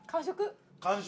完食？